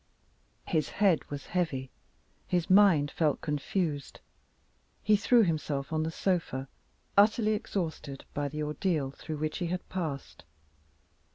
His head was heavy; his mind felt confused. He threw himself on the sofa utterly exhausted by the ordeal through which he had passed.